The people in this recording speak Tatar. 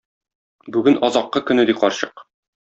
Бүген азаккы көне, - ди карчык.